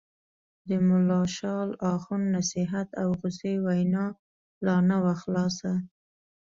د ملا شال اخُند نصیحت او غوسې وینا لا نه وه خلاصه.